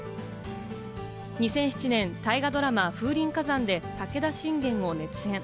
２００７年、大河ドラマ『風林火山』で武田信玄を熱演。